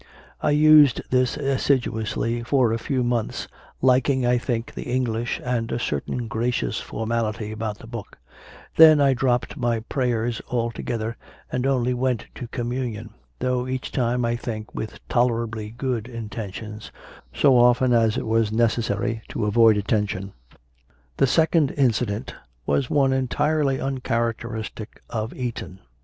I used this assiduously for a few months, liking, I think, the English and a certain gracious formality about the book Then I dropped my prayers alto gether and only went to Communion though each time, I think, with tolerably good intentions so often as it was necessary to avoid attention. The second incident was one entirely uncharac teristic of Eton.